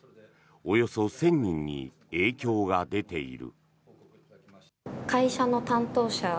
およそ１０００人に影響が出ている。